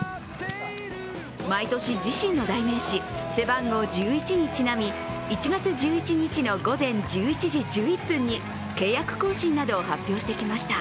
毎年、自身の代名詞背番号１１にちなみ１月１１日の午前１１時１１分に契約更新などを発表してきました。